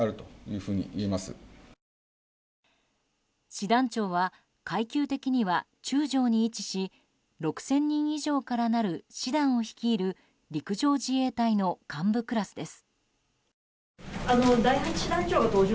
師団長は階級的には中将に位置し６０００人以上からなる師団を率いる陸上自衛隊の幹部クラスです。